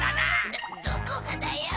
どどこがだよ！